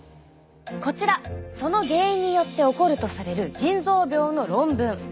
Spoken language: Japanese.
こちらその原因によって起こるとされる腎臓病の論文。